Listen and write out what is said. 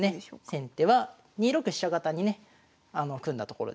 先手は２六飛車型にね組んだところですね。